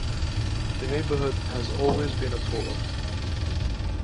The neighborhood has always been a poor one.